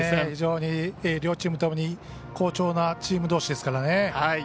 非常に両チームとも好調なチームどうしですから。